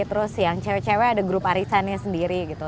terus yang cewek cewek ada grup arisannya sendiri gitu